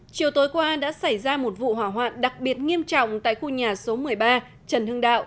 chiều tối qua đã xảy ra một vụ hỏa hoạn đặc biệt nghiêm trọng tại khu nhà số một mươi ba trần hưng đạo